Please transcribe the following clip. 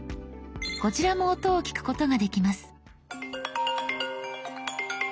こちらも音を聞くことができます。」）